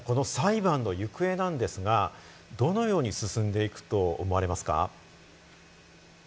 この裁判の行方なんですが、どのように進んでいくと思われますか？